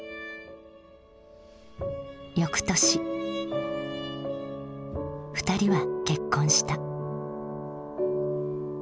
翌年２人は結婚した。